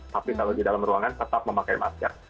tapi kalau di dalam ruangan tetap memakai masker